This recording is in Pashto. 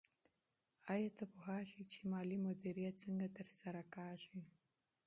آیا ته پوهېږې چې مالي مدیریت څنګه ترسره کېږي؟